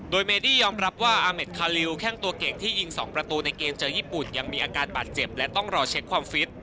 โดยเมดี้ยอมรับว่าอาเมดคาลิวแข้งตัวเก่งที่ยิง๒ประตูในเกมเจอญี่ปุ่นยังมีอาการบาดเจ็บและต้องรอเช็คความฟิต